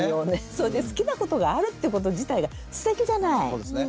それで好きなことがあるってこと自体がすてきじゃない。